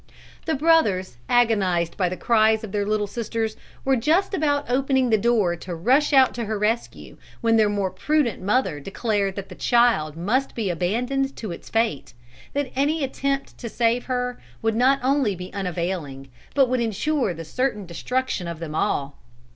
"The brothers, agonized by the cries of their little sister, were just about opening the door to rush out to her rescue, when their more prudent mother declared that the child must be abandoned to its fate, that any attempt to save her would not only be unavailing, but would ensure the certain destruction of them all.